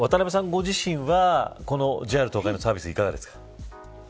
ご自身はこのＪＲ東海のサービスいかがですか。